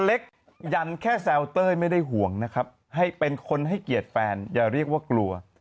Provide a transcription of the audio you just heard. เล็กยันแค่แซวเต้ยไม่ได้ห่วงนะครับให้เป็นคนให้เกียรติแฟนอย่าเรียกว่ากลัว